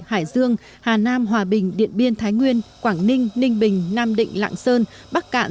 hà nam hòa bình điện biên thái nguyên quảng ninh ninh bình nam định lạng sơn bắc cạn